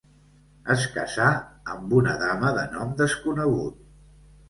Es casà amb una dama de nom desconegut.